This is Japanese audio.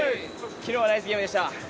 昨日はナイスゲームでした。